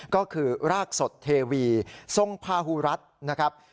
ก็คือรากสดเทวีทรงพาหูรัฐนะครับ